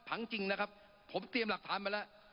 จริงนะครับผมเตรียมหลักฐานมาแล้ว